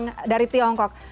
yang dari tiongkok